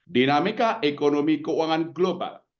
dinamika ekonomi keuangan global